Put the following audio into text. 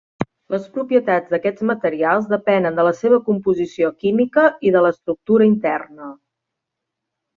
Les propietats d'aquests materials depenen de la seva composició química i de l'estructura interna.